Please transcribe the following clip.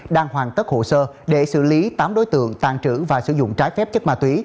đang hoàn tất hồ sơ để xử lý tám đối tượng tàn trữ và sử dụng trái phép chất ma túy